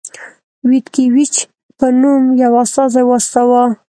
ویتکي ویچ په نوم یو استازی واستاوه.